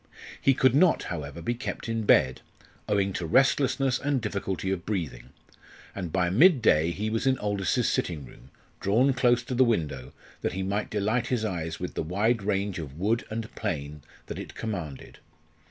He could not, however, be kept in bed, owing to restlessness and difficulty of breathing, and by midday he was in Aldous's sitting room, drawn close to the window, that he might delight his eyes with the wide range of wood and plain that it commanded.